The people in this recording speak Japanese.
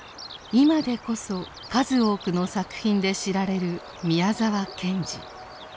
今でこそ数多くの作品で知られる宮沢賢治。